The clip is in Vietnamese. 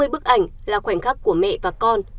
sáu mươi bức ảnh là khoảnh khắc của mẹ và con